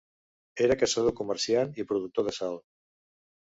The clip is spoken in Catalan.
Era caçador-comerciant i productor de sal.